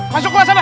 masuk ke sana